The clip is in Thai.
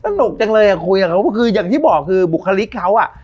สนุกจังเลยคุยกับเขาคืออย่างที่บอกคือบุคลิกเขา